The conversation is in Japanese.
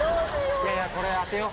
いやいやこれ当てよう。